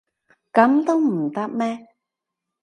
噉都唔得咩？